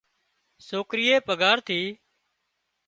سوڪرئي پگھار ٿِي